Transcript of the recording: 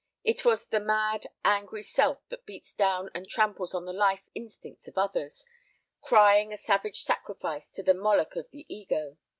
It was the mad, angry self that beats down and tramples on the life instincts of others, crying a savage sacrifice to the Moloch of the ego.